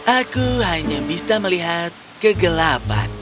aku hanya bisa melihat kegelapan